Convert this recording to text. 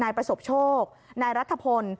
ประสบโชคนายรัฐพล